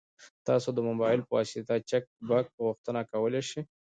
تاسو د موبایل په واسطه د چک بک غوښتنه کولی شئ.